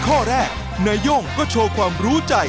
ก็ว่าเดี๋ยวมันจะ